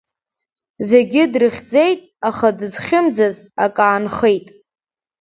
Зегьы дрыхьӡеит, аха дызхьымӡаз, ак аанхеит.